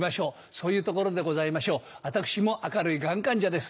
そういうところでございましょう私も明るいがん患者です。